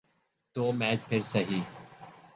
تو میچ پھر سہی۔